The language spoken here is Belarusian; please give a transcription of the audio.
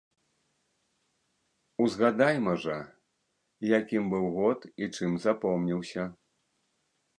Узгадайма жа, якім быў год і чым запомніўся.